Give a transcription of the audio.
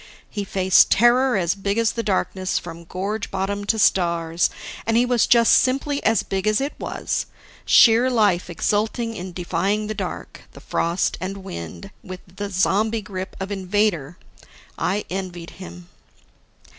He faced terror as big as the darkness from gorge bottom to stars, and he was just simply as big as it was sheer life exulting in defying the dark, the frost and wind and the zombie grip of Invader. I envied him.